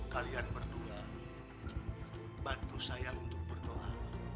kalian berdua bantu saya untuk berdoa